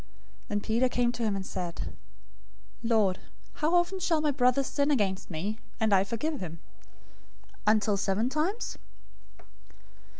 018:021 Then Peter came and said to him, "Lord, how often shall my brother sin against me, and I forgive him? Until seven times?"